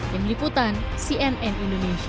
yang meliputan cnn indonesia